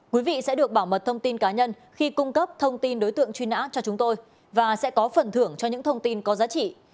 quý vị sẽ được bảo mật thông tin cá nhân khi cung cấp thông tin đối tượng truy nã cho chúng tôi và sẽ có phần thưởng cho những thông tin có giá trị